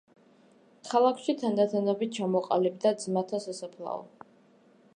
ქალაქში თანდათანობით ჩამოყალიბდა ძმათა სასაფლაო.